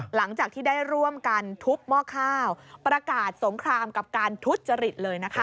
หลังจากที่ได้ร่วมกันทุบหม้อข้าวประกาศสงครามกับการทุจริตเลยนะคะ